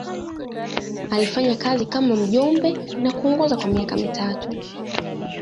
Alifanya kazi kama mjumbe na kuongoza kwa miaka mitatu.